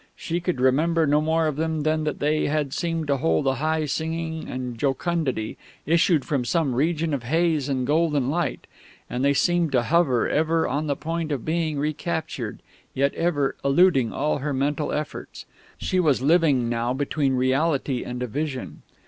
She could remember no more of them than that they had seemed to hold a high singing and jocundity, issuing from some region of haze and golden light; and they seemed to hover, ever on the point of being recaptured, yet ever eluding all her mental efforts. She was living now between reality and a vision.